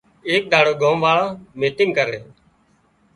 ايڪ ۮاڙو ڳام وازنئي ميٽنگ ڪرِي